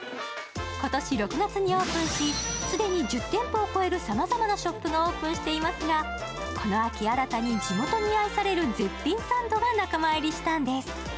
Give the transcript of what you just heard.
今年６月にオープンし、既に１０店舗を超えるさまざまなショップがオープンしていますがこの秋新たに地元に愛される絶品サンドが仲間入りしたんです。